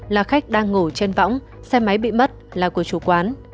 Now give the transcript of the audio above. là khách đang ngồi trên võng xe máy bị mất là của chủ quán